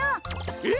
えっ！？